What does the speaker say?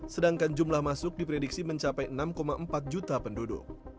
sedangkan jumlah masuk diprediksi mencapai enam empat juta penduduk